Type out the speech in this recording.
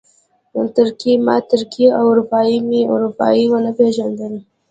ترکي مې ترکي او اروپایي مې اروپایي ونه پېژني.